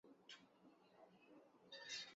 injection سے blood کو